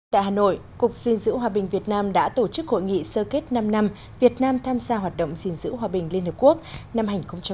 tại hà nội cục diên dữ hòa bình việt nam đã tổ chức hội nghị sơ kết năm năm việt nam tham gia hoạt động diên dữ hòa bình liên hợp quốc năm hai nghìn một mươi bốn hai nghìn một mươi chín